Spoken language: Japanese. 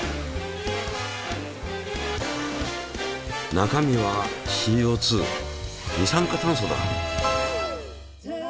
中身はＣＯ二酸化炭素だ。